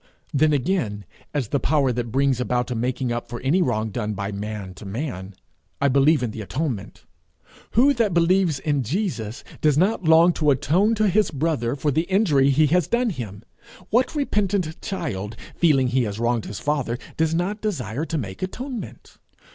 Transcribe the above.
Then again, as the power that brings about a making up for any wrong done by man to man, I believe in the atonement. Who that believes in Jesus does not long to atone to his brother for the injury he has done him? What repentant child, feeling he has wronged his father, does not desire to make atonement?